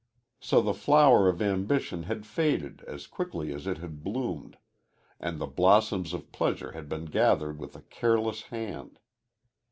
So the flower of ambition had faded as quickly as it had bloomed, and the blossoms of pleasure had been gathered with a careless hand.